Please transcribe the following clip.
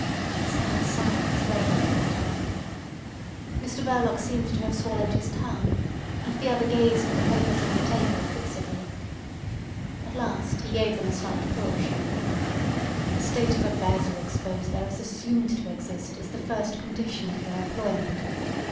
A sad silence reigned for a time. Mr Verloc seemed to have swallowed his tongue, and the other gazed at the papers on the table fixedly. At last he gave them a slight push. "The state of affairs you expose there is assumed to exist as the first condition of your employment.